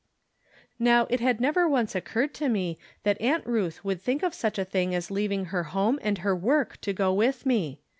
Now, it had never once occurred to me that Aunt Ruth would think of such a thing as leav ing her home and her work to go with me.